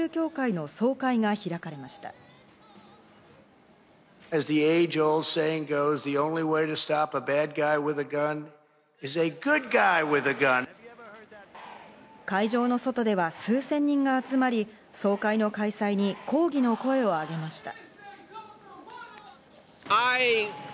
会場の外では数千人が集まり、総会の開催に抗議の声を上げました。